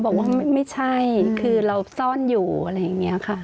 บอกว่าไม่ใช่คือเราซ่อนอยู่อะไรอย่างนี้ค่ะ